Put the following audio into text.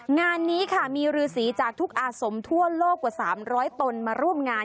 งานนี้ค่ะมีรือสีจากทุกอาสมทั่วโลกกว่า๓๐๐ตนมาร่วมงาน